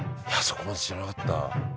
そこまで知らなかった。